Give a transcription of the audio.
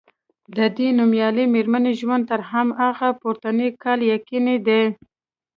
د دې نومیالۍ میرمنې ژوند تر همدغه پورتني کال یقیني دی.